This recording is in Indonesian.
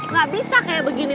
gak bisa kayak begini